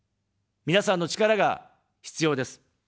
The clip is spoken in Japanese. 皆さんの力が必要です。